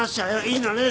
いいのね？